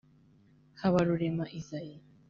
Habarurema Isaie